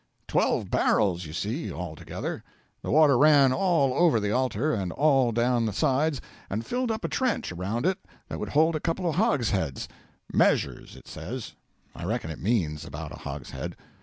Twelve barrels, you see, altogether. The water ran all over the altar, and all down the sides, and filled up a trench around it that would hold a couple of hogsheads "measures," it says: I reckon it means about a hogshead.